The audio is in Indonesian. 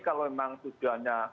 kalau memang tujuannya